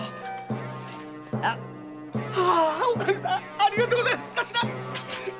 ありがとうございます！